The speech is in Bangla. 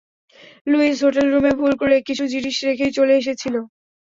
লুইস হোটেল রুমে ভুল করে কিছু জিনিস রেখেই চলে এসেছিল।